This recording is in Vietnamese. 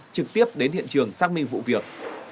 trực tiếp đến hiện trường xác minh vụ việc